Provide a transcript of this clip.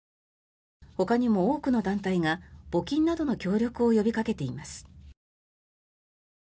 ほかにも多くの団体が募金などの協力を呼びかけています。